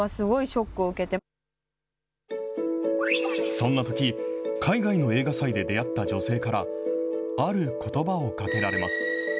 そんなとき、海外の映画祭で出会った女性から、あることばをかけられます。